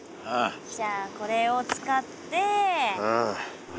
じゃあこれを使って。